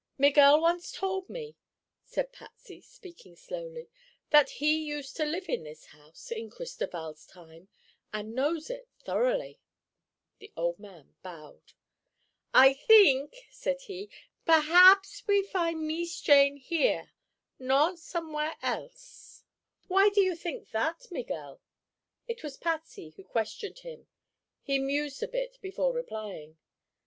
"Miguel once told me," said Patsy, speaking slowly, "that he used to live in this house, in Cristoval's time, and knows it thoroughly." The old man bowed. "I theenk," said he, "perhaps we find Mees Jane here—not somewhere else." "Why do you think that, Miguel?" It was Patsy who questioned him. He mused a bit before replying.